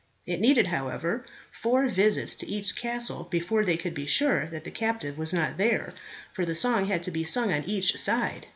It needed, however, four visits to each castle before they could be sure that the captive was not there; for the song had to be sung on each side.